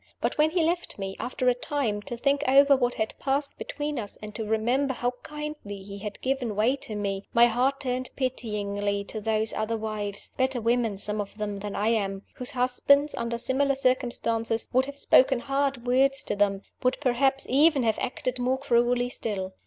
But when he left me, after a time, to think over what had passed between us, and to remember how kindly he had given way to me, my heart turned pityingly to those other wives (better women, some of them, than I am), whose husbands, under similar circumstances, would have spoken hard words to them would perhaps even have acted more cruelly still.